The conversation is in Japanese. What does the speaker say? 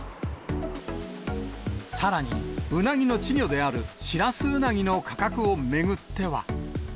さらに、うなぎの稚魚であるシラスウナギの価格を巡っては。